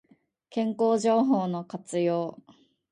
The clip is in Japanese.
健康情報の活用